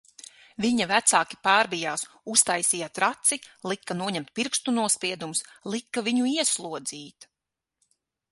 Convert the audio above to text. Viņa vecāki pārbijās, uztaisīja traci, lika noņemt pirkstu nospiedumus, lika viņu ieslodzīt...